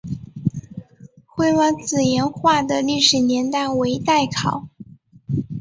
灰湾子岩画的历史年代为待考。